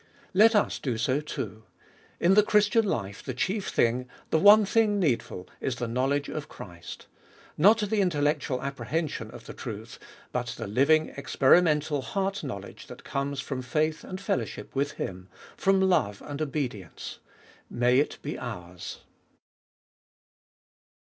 Let us do so, too. In the Christian life the chief thing, the one thing needful, is the knowledge of Christ. Not the intellectual apprehension of the truth, but the living experimental heart knowledge that comes from faith and fellowship with Him, from love and obedience. May it be ours